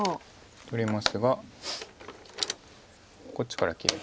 取れますがこっちから切れば。